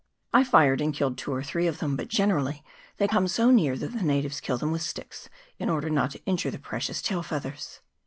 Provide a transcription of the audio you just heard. I fired and killed two or three of them, but generally they come so near that the natives kill them with sticks, in order not to injure the precious tail feathers.